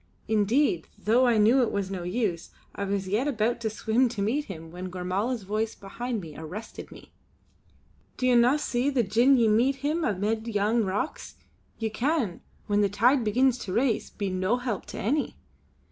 Indeed, though I knew it was no use, I was yet about to swim to meet him when Gormala's voice behind me arrested me: "Do ye no see that gin ye meet him amid yon rocks, ye can, when the tide begins to race, be no help to any.